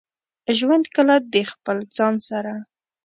ژوند کله د خپل ځان سره.